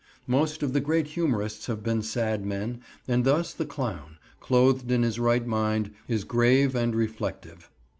Most of the great humorists have been sad men, and thus the clown, clothed in his right mind, is grave and reflective.